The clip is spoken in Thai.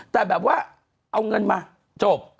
แต่แบบว่าเอาเงินมาจบ